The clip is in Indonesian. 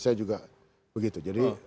saya juga begitu